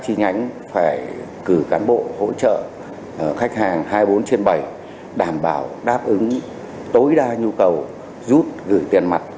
chi nhánh phải cử cán bộ hỗ trợ khách hàng hai mươi bốn trên bảy đảm bảo đáp ứng tối đa nhu cầu rút gửi tiền mặt